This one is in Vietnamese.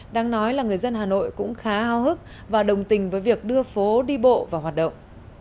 đang nói là người dân hà nội cũng khá ao hức và đồng tình với việc đưa phố đi bộ vào hoạt động